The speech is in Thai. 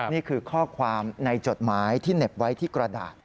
นี่คือข้อความในจดหมายที่เหน็บไว้ที่กระดาษ